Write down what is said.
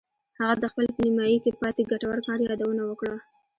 هغه د خپل په نیمایي کې پاتې ګټور کار یادونه وکړه